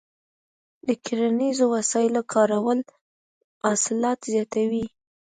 د کرنیزو وسایلو کارول حاصلات زیاتوي.